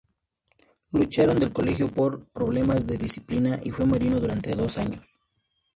Lo echaron del colegio por problemas de disciplina y fue marino durante dos años.